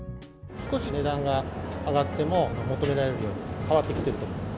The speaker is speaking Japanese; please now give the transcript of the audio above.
少し値段が上がっても、求められるように変わってきていると思います。